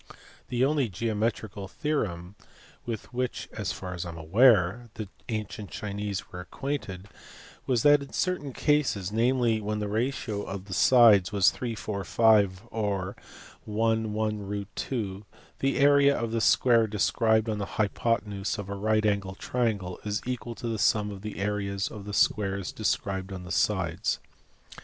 The only geometrical theorem with which, as far as I am aware, the ancient Chinese were ac quainted was that in certain cases (najnely when the ratio of the sides was 3 : 4 : 5 or 1 : 1 : ^/2) the area of the square described on the hypotenuse of a right angled triangle is equal to the sum of the areas of the squares described on the sicles.